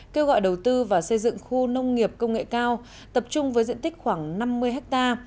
kêu gọi đầu tư và xây dựng khu nông nghiệp công nghệ cao tập trung với diện tích khoảng năm mươi ha